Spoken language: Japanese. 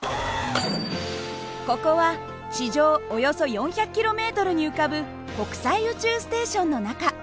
ここは地上およそ４００ｋｍに浮かぶ国際宇宙ステーションの中。